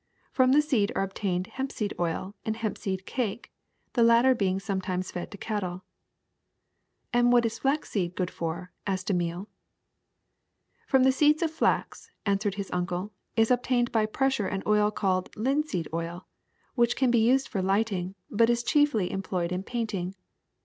From the seed are obtained hempseed oil and hempseed cake, the latter being sometimes fed to cattle. ^^And what is flaxseed good forV asked Emile. *^From the seeds of flax," an swered his uncle, ''is obtained by pressure an oil called linseed oil, Biossol^ng plant which can be used for lighting, but llLr''''' '''''^^ is chiefly employed in painting.